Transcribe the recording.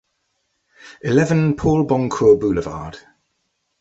Eleven Paul Boncour Boulevard